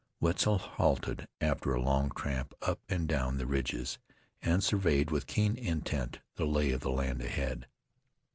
Wetzel halted after a long tramp up and down the ridges, and surveyed with keen intent the lay of the land ahead.